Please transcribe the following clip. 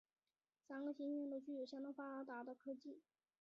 三个行星都具有相当发达的科技。